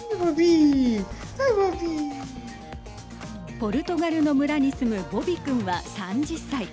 ポルトガルの村に住むボビ君は３０歳。